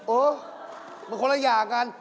โอ้มันคนละอย่างกัน